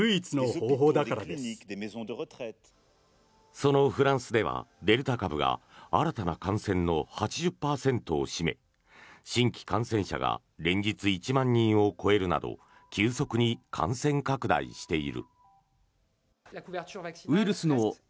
そのフランスではデルタ株が新たな感染の８０％を占め新規感染者が連日１万人を超えるなど急速に感染拡大している。